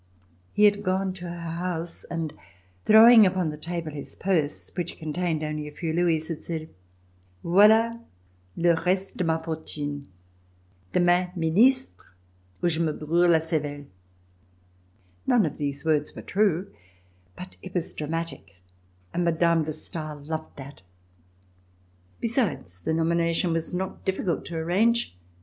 He had gone to her house and throwing upon the table his purse which contained only a few louis had said: "Voila le reste de ma fortune! Demain ministre ou je me brule la cervelle!" None of these words were true, but it was dramatic, and Mme. de Stael loved that. Besides, the nomination was not difficult to arrange.